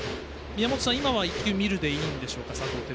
宮本さん、今は１球見るでいいんでしょうか。